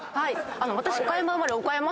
私。